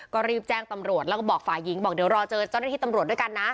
ก็รีบแจ้งตำรวจแล้วก็บอกฝ่ายหญิงบอกเดี๋ยวรอเจอเจ้าหน้าที่ตำรวจด้วยกันนะ